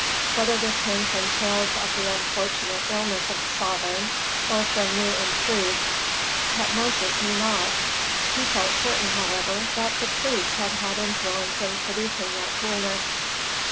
Whether this came from tales of the unfortunate illness of the sovereign, or from new intrigues, Tutmosis knew not; he felt certain, however, that the priests had had influence in producing that coolness.